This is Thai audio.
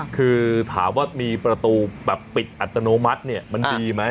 คือถามว่ามีประตูแบบปิดอัตโนมัติเนี่ยมันดีไหม